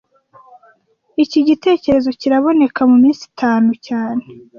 Iki gitekerezo kiraboneka muminsi itanu cyane